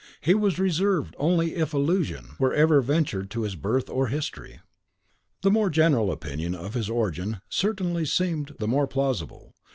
He was reserved only if allusion were ever ventured to his birth or history. The more general opinion of his origin certainly seemed the more plausible.